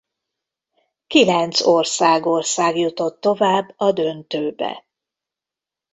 Kilenc ország ország jutott tovább a döntőbe.